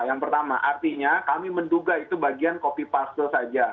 yang pertama artinya kami menduga itu bagian copy pastel saja